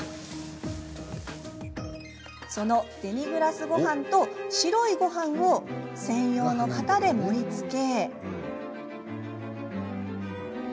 そのデミグラスごはんと白いごはんを専用の型で盛りつけ。